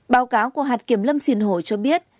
báo cáo của hạt kiểm lâm xin hội cho biết